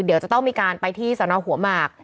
เดี๋ยวจะต้องมีการไปที่สนหัวหมาก